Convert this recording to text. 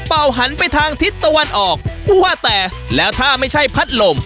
หันไปทางทิศตะวันออกว่าแต่แล้วถ้าไม่ใช่พัดลม